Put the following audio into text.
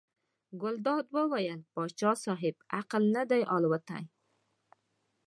ګلداد وویل پاچا صاحب عقل نه دی الوتی.